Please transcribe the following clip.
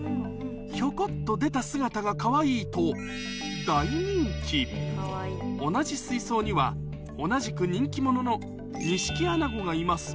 ひょこっと出た姿がかわいいと同じ水槽には同じく人気者のニシキアナゴがいます